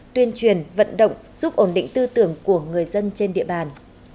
tuyên truyền vận động giúp ổn định tư tưởng của người dân trên địa bàn